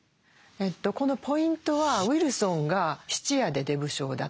このポイントはウィルソンが質屋で出不精だと。